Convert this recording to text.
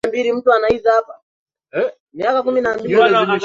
Mapinduzi ya viwanda Nyumba za sanaa Haiwezi kupinga